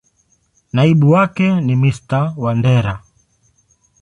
Naibu wake ni Mr.Wandera.